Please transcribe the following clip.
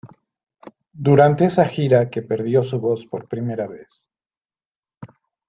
Durante esa gira que perdió su voz por primera vez.